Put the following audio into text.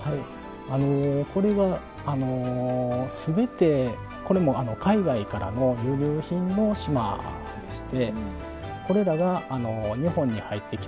これは全てこれも海外からの輸入品の「しま」でしてこれらが日本に入ってきた時はですね